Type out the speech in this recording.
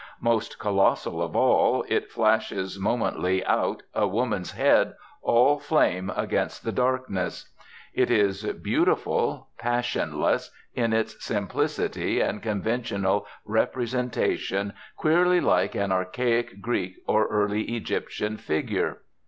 Most colossal of all, it flashes momently out, a woman's head, all flame against the darkness. It is beautiful, passionless, in its simplicity and conventional representation queerly like an archaic Greek or early Egyptian figure.